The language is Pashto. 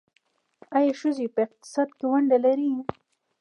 آیا ښځې په اقتصاد کې ونډه لري؟